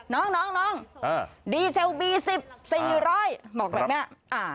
น้องน้องน้องเออดีเซลบีสิบสี่ร้อยบอกแบบเนี้ยอ่า